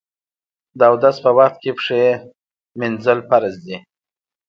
د اودس په وخت کې پښې مینځل فرض دي.